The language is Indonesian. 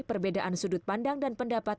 perbedaan sudut pandang dan pendapat